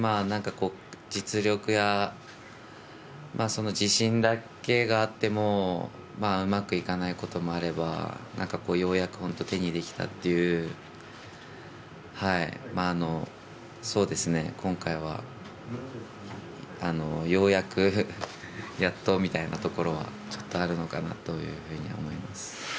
なんかこう、実力や、その自信だけがあってもうまくいかないこともあれば、なんか、ようやく手にできたというそうですね、今回はようやくやっと、みたいなところはちょっとあるのかなというふうに思います。